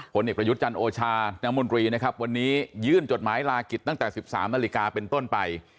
พลเอกประยุทธ์จันโอชานามุนรีวันนี้ยื่นจดหมายลากิจตั้งแต่๑๓นาฬิกาเป็นต้นไป